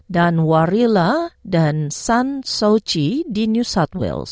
dan warilla dan sun sochi di new south wales